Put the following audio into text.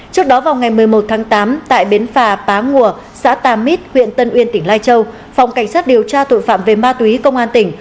trước đó vào ngày một mươi một tháng tám tại bến phà pá ngùa xã tà mít huyện tân uyên tỉnh lai châu phòng cảnh sát điều tra tội phạm về ma túy công an tỉnh